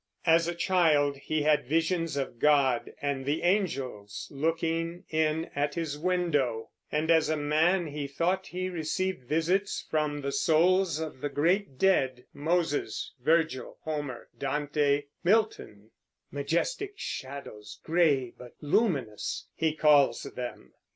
As a child he had visions of God and the angels looking in at his window; and as a man he thought he received visits from the souls of the great dead, Moses, Virgil, Homer, Dante, Milton, "majestic shadows, gray but luminous," he calls them.